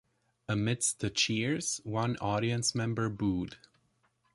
Amidst the cheers, one audience member booed.